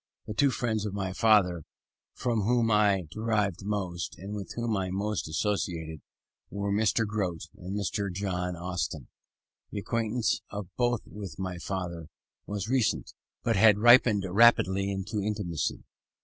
The two friends of my father from whom I derived most, and with whom I most associated, were Mr. Grote and Mr. John Austin. The acquaintance of both with my father was recent, but had ripened rapidly into intimacy.